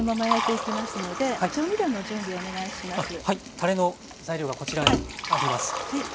たれの材料がこちらあります。